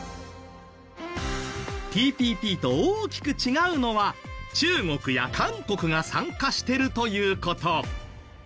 ＴＰＰと大きく違うのは中国や韓国が参加してるという事。